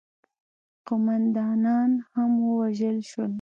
قوماندانان هم ووژل شول.